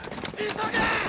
急げ！！